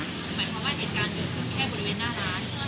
หมายความว่าเหตุการณ์เกิดขึ้นแค่บริเวณหน้าร้าน